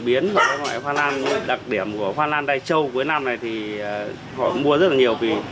biến và các loại hoa lan đặc điểm của hoa lan đai trâu cuối năm này thì họ mua rất là nhiều vì